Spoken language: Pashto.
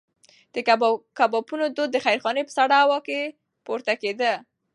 د کبابونو دود د خیرخانې په سړه هوا کې پورته کېده.